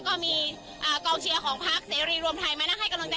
ก็มีกองเชียร์ของพักเสรีรวมไทยมานั่งให้กำลังใจ